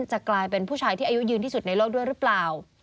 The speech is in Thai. จะกลายเป็นผู้ชายที่อายุยืนที่สุดในโลกด้วยหรือเปล่า